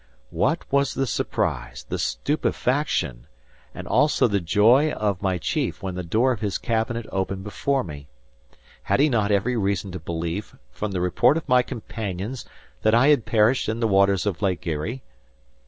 What was the surprise, the stupefaction, and also the joy of my chief, when the door of his cabinet opened before me! Had he not every reason to believe, from the report of my companions, that I had perished in the waters of Lake Erie?